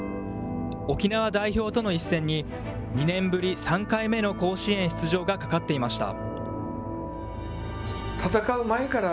沖縄代表との一戦に、２年ぶり３回目の甲子園出場がかかっていました。